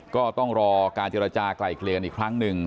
ก็ต้องรอการเจรจากลายเกลียกันอีกครั้งหนึ่ง